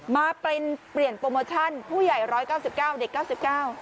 มาเปลี่ยนโปรโมชั่นผู้ใหญ่๑๙๙เด็ก๙๙